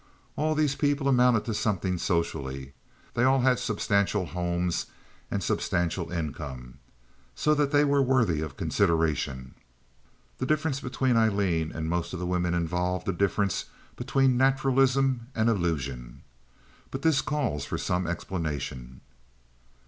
All these people amounted to something socially. They all had substantial homes and substantial incomes, so that they were worthy of consideration. The difference between Aileen and most of the women involved a difference between naturalism and illusion. But this calls for some explanation.